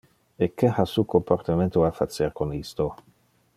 E que ha su comportamento a facer con isto?